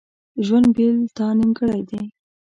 ژوند بیله تا ډیر نیمګړی دی.